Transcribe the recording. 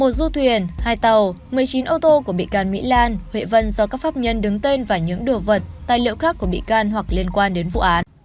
một du thuyền hai tàu một mươi chín ô tô của bị can mỹ lan huệ vân do các pháp nhân đứng tên và những đồ vật tài liệu khác của bị can hoặc liên quan đến vụ án